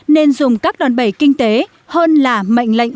nên dùng các đòn bẩy kinh tế hơn là mệnh lệnh